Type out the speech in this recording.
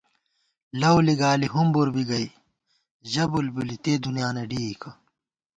لؤ لِگالی ہُومبر بی گئ، ژہ بُلبُلی تےدُنیانہ ڈېئیکہ